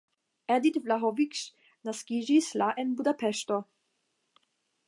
Edit Vlahovics naskiĝis la en Budapeŝto.